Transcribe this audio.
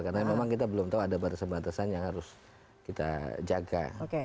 karena memang kita belum tahu ada batasan batasan yang harus kita jaga